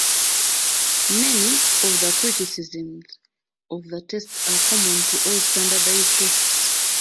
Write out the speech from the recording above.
Many of the criticisms of the test are common to all standardized tests.